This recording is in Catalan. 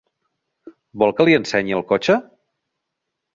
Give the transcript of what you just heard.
Vol que li ensenyi el cotxe?